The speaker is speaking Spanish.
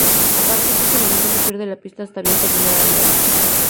A partir de este momento se pierde la pista hasta bien terminada de Guerra.